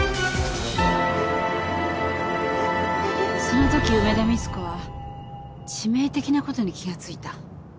その時梅田三津子は致命的な事に気がついた。